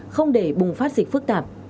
không để bùng phát dịch phức tạp